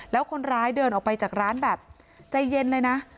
แล้วคนร้ายเดินออกไปจากร้านแบบใจเย็นเลยนะ